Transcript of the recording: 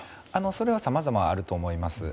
それはさまざまあると思います。